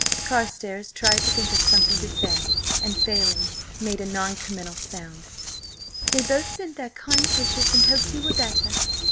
Carstares tried to think of something to say, and failing, made a non committal sound. "Yes. They both sent their kind wishes, and hoped you were better.